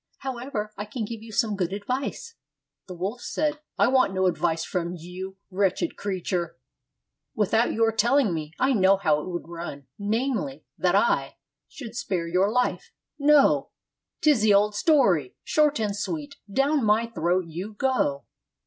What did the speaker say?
However, I can give you some good advice." The wolf said, "I want no advice from you, wretched creature! Without your telling me, I know how it would run, namely, that I 381 AUSTRIA HUNGARY should spare your life. No ! 't is the old story, short and sweet, down my throat you go!"